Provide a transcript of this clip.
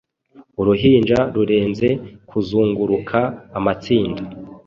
Uruhinja rurenze kuzunguruka Amatsinda